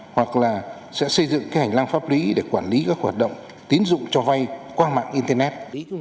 hoặc là sẽ xây dựng cái hành lang pháp lý để quản lý các hoạt động tín dụng cho vay qua mạng internet